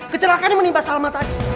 kecelakaannya menimpa salma tadi